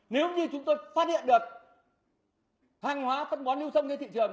nếu như chúng tôi phát hiện được hàng hóa phân bón lưu thông trên thị trường